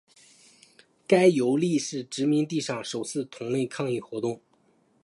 该游利是殖民地上首次同类抗议活动。